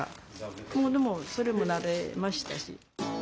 もうでもそれも慣れましたし。